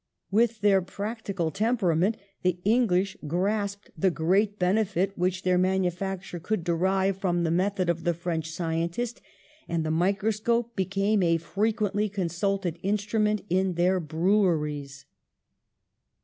With their practical temperament the English grasped the great benefit which their no PASTEUR manufacture could derive from the method of the French scientist, and the microscope be came a frequently consulted instrument in their breweries.